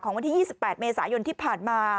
วันที่๒๘เมษายนที่ผ่านมา